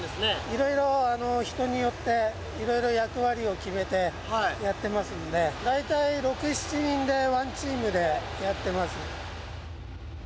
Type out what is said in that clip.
いろいろ人によっていろいろ役割を決めてやってますので大体６７人でワンチームでやってます。